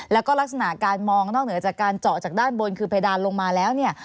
แล้วก็ลักษณะการมองนอกเหนือจากการเจาะจากด้านบนคือเพดานลงมาแล้วเนี่ย